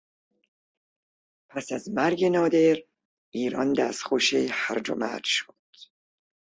پس از مرگ نادر، ایران دستخوش هرج و مرج شد.